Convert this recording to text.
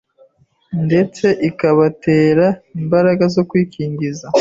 ndetse ikabatera imbaraga zo kwikingiza